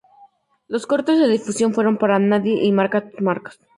Los cortes de difusión fueron "Para nadie" y "Marca tus marcas".